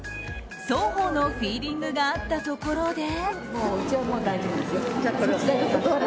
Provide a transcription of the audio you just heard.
双方のフィーリングが合ったところで。